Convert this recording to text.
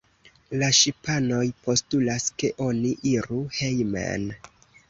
La ŝipanoj postulas, ke oni iru hejmen.